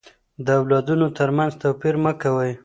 د اولادونو تر منځ توپير مه کوئ.